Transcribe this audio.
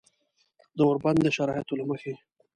د اوربند د شرایطو له مخې